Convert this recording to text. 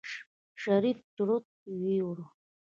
شريف چورت يوړ.